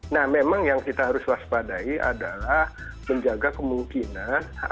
nah memang yang kita harus waspadai adalah menjaga kemungkinan